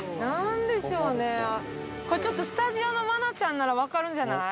これちょっとスタジオの愛菜ちゃんならわかるんじゃない？